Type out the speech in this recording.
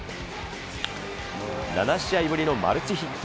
７試合ぶりのマルチヒット。